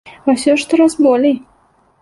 А ўсё штораз болей!